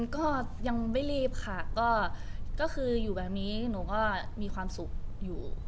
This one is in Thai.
ก็ยังไม่รีบค่ะก็คืออยู่แบบนี้หนูก็มีความสุขอยู่